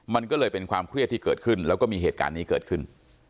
มันก็เลยเป็นความเครียดที่เกิดขึ้นแล้วก็มีเหตุการณ์นี้เกิดขึ้น